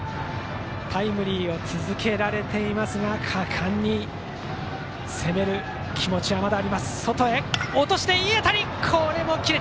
タイムリーを続けられていますが果敢に攻める気持ちはまだあります。